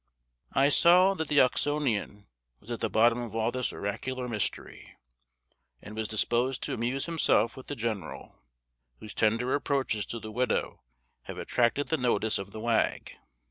I saw that the Oxonian was at the bottom of all this oracular mystery, and was disposed to amuse himself with the general, whose tender approaches to the widow have attracted the notice of the wag.